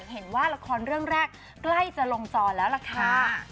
เมื่อเห็นว่าราคอนเรื่องแรกใกล้จะลงจอดแล้วละค่ะ